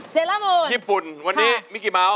เซราบูนญี่ปุ่นวันนี้มิกกี้เมาท์